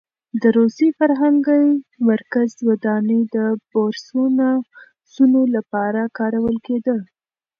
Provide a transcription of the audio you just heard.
د روسي فرهنګي مرکز ودانۍ د بورسونو لپاره کارول کېده.